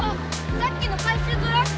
さっきの回収トラック！